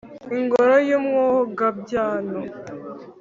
Ingoro y'Umwogabyano.